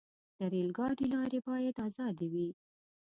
د ریل ګاډي لارې باید آزادې وي.